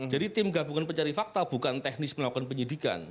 jadi tim gabungan pencari fakta bukan teknis melakukan penyidikan